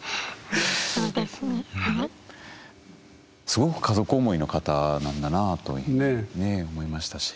すごく家族思いの方なんだなというふうに思いましたし。